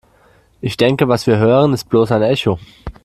Ich denke, was wir hören, ist bloß ein Echo.